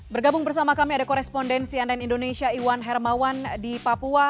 bergabung bersama kami ada korespondensi ann indonesia iwan hermawan di papua